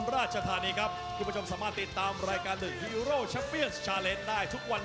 ร้อยหลานวอเรียร์มวยไทย